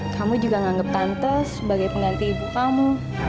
kamu juga menganggap tante sebagai pengganti ibu kamu